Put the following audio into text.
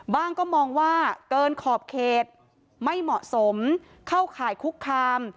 ก็มองว่าเกินขอบเขตไม่เหมาะสมเข้าข่ายคุกคาม